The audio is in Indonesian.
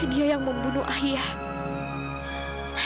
dia yang membunuh ayah